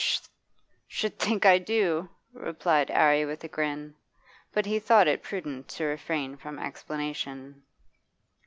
'Sh' think I do,' replied 'Arry with a grin. But he thought it prudent to refrain from explanation.